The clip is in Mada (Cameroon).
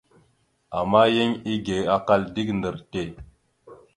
Ama yan ege akal dik ndar tte.